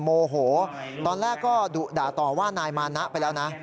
โมโหตอนแรกก็ดุด่าต่อว่านายมานะไปแล้วนะ